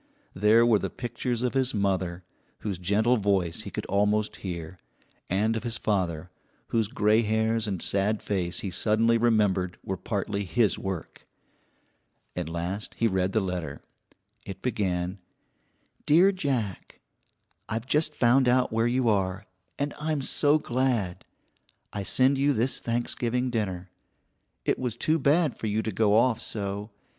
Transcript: There were the pictures of his mother, whose gentle voice he could almost hear, and of his father, whose gray hairs and sad face he suddenly remembered were partly his work. At last he read the letter. It began: DEAR JACK: I've just found out where you are, and I'm so glad. I send you this Thanksgiving dinner. It was too bad for you to go off so.